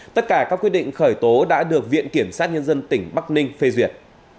tất cả các quyết định khởi tố đã được viện kiểm sát nhân dân tỉnh bắc ninh phê duyệt